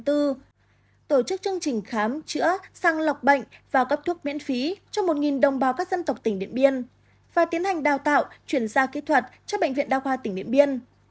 tổ chức chương trình khám chữa sang lọc bệnh và cấp thuốc miễn phí cho một đồng bào các dân tộc tỉnh điện biên và tiến hành đào tạo chuyển giao kỹ thuật cho bệnh viện đa khoa tỉnh điện biên